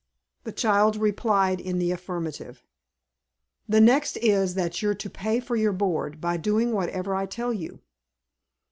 The child replied in the affirmative. "The next is, that you're to pay for your board, by doing whatever I tell you."